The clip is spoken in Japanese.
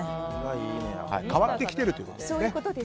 変わってきているということですね。